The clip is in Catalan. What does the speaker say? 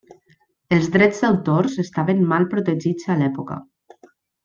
Els drets d'autors estaven mal protegits a l'època.